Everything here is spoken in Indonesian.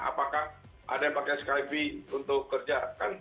apakah ada yang pakai skypee untuk kerja